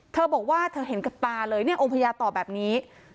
เธอบอกว่าเธอเห็นกับตาเลยเนี่ยองค์พญาตอบแบบนี้